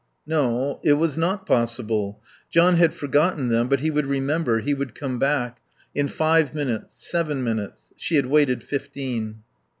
No, it was not possible. John had forgotten them; but he would remember; he would come back. In five minutes. Seven minutes. She had waited fifteen.